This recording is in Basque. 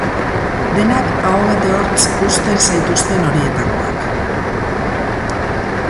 Denak aho bete hortz uzten zaituzten horietakoak.